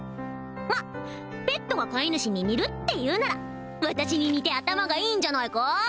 まっペットが飼い主に似るって言うなら私に似て頭がいいんじゃないか？